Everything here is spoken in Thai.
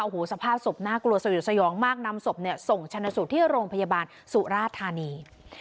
โอ้โหสภาพศพน่ากลัวสยดสยองมากนำศพส่งชนะสูตรที่โรงพยาบาลสุราธานี